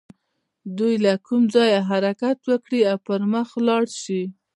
دوی له کوم ځايه حرکت وکړي او پر مخ لاړ شي.